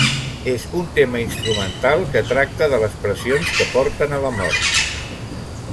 És un tema instrumental que tracta de les pressions que porten a la mort.